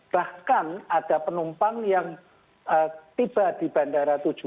bahkan ada penumpang yang tiba di bandara tujuh